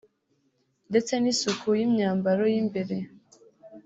ndetse n’isuku y’imyambaro y’imbere